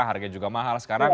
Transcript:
harganya juga mahal sekarang